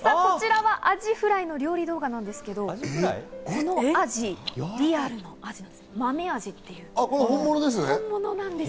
こちらはアジフライの料理動画なんですけれど、このアジ、豆アジっていう、本物なんです。